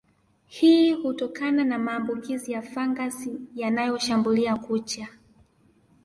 Hii hutokana na maambukizi ya fangasi yanayoshambulia kucha